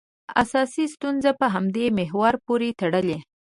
اساسي ستونزه په همدې محور پورې تړلې.